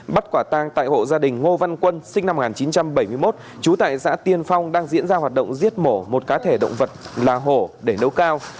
bắt quả tang tại hộ gia đình ngô văn quân sinh năm một nghìn chín trăm bảy mươi một trú tại xã tiên phong đang diễn ra hoạt động giết mổ một cá thể động vật là hổ để nấu cao